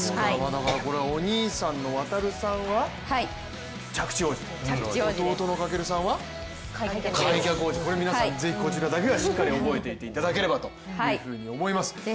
お兄さんの航さんは着地王子、弟の翔さんは開脚王子、これ皆さん是非、こちらだけは覚えていっていただければと思います。